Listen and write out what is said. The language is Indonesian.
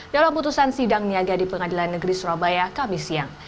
dalam putusan sidang niaga di pengadilan negeri surabaya kamis siang